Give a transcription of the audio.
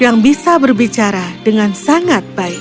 yang bisa berbicara dengan sangat baik